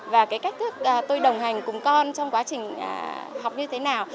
và cái cách thức tôi đồng hành cùng con trong quá trình học như thế nào